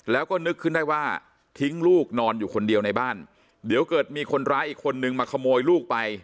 แล้วก็นึกขึ้นได้ว่าทิ้งลูกนอนอยู่คนเดียวในบ้านเดี๋ยวเกิดมีคนร้ายอีกคนนึงมาขโมยลูกไป